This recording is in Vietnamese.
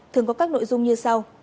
thường có các nội dung như sau